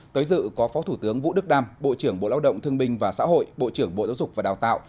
tới dự có phó thủ tướng vũ đức đam bộ trưởng bộ lao động thương binh và xã hội bộ trưởng bộ giáo dục và đào tạo